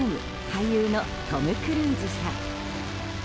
俳優のトム・クルーズさん。